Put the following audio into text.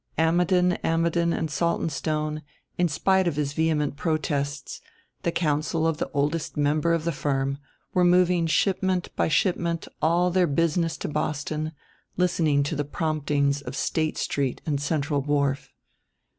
Ammidon, Ammidon and Saltonstone, in spite of his vehement protests, the counsel of the oldest member of the firm, were moving shipment by shipment all their business to Boston, listening to the promptings of State Street and Central Wharf.